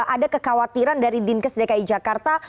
ada kekhawatiran dari din ksdki jakarta